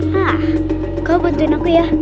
hah kau bantuin aku ya